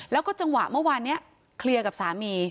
แล้วก็จังหวะเมื่อวานนี้เคลียร์กับสามี